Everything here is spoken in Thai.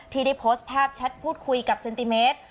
ที่ได้โพสต์ภาพแชทพูดคุยกับเซนติเมตร